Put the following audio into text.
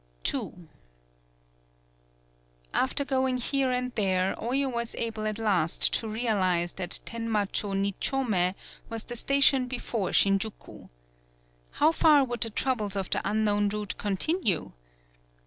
THE BILL COLLECTING II After going here and there, Oyo was able at last to realize that Tenmacho Nichome was the station before Shin juku. How far would the troubles of the unknown route continue?